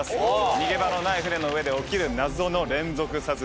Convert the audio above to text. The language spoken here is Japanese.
逃げ場のない船の上で起きる謎の連続殺人。